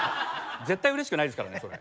絶対うれしくないですからねそれ。